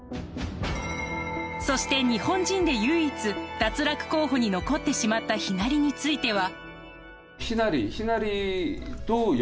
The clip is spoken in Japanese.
そして日本人で唯一脱落候補に残ってしまったヒナリについては。